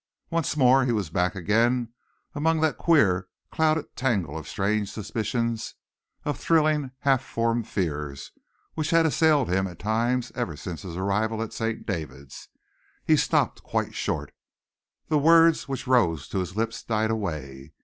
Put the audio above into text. Once more he was back again among that queer, clouded tangle of strange suspicions, of thrilling, half formed fears, which had assailed him at times ever since his arrival at St, David's. He stopped quite short. The words which rose to his lips died away.